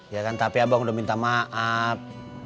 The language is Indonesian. ya kan tapi abang udah minta maaf